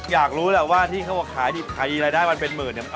อยากรู้แหละว่าที่เขาบอกขายดิบขายดีรายได้มันเป็นหมื่นเนี่ย